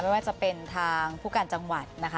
ไม่ว่าจะเป็นทางผู้การจังหวัดนะคะ